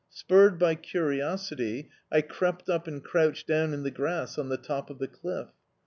Spurred by curiosity, I crept up and crouched down in the grass on the top of the cliff.